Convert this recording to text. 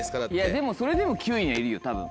でもそれでも９位にはいるよたぶん。